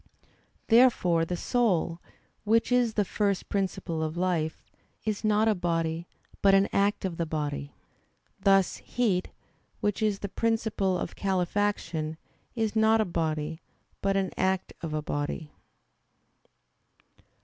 Therefore the soul, which is the first principle of life, is not a body, but the act of a body; thus heat, which is the principle of calefaction, is not a body, but an act of a body.